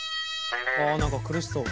あ何か苦しそう。